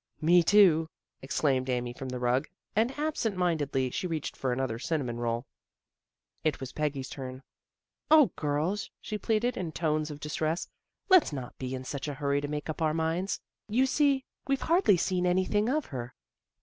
" Me, too," exclaimed Amy from the rug, and absent mindedly she reached for another cinnamon roll. It was Peggy's turn. " O, girls," she pleaded, in tones of distress. " Let's not be in such a hurry to make up our minds. You see, we've hardly seen anything of her."